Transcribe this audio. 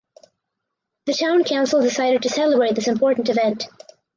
The town council decided to celebrate this important event.